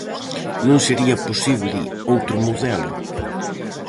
Non sería posible outro modelo?